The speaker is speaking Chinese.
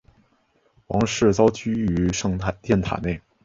王室遭拘于圣殿塔内。